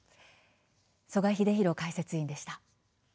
曽我英弘解説委員でした。